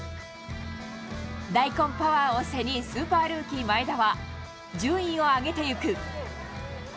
大根パワーを背に、スーパールーキー、前田は順位を上げていく。